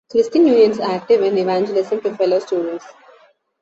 Christian Unions are active in evangelism to fellow-students.